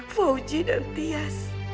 fauji dan tias